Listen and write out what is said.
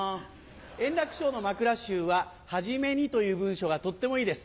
円楽師匠の『まくら集』は「はじめに」という文章がとってもいいです。